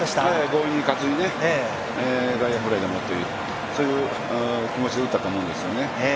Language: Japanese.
強引にいかずに外野フライでもってそういう気持ちで打ったと思うんですよね。